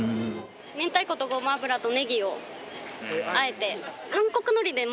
明太子とごま油とネギを和えて。